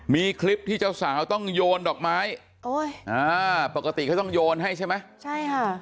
มีคลิปที่เจ้าสาวต้องโยนดอกไม้โอ้ยอ่าปกติเขาต้องโยนให้ใช่ไหมใช่ค่ะ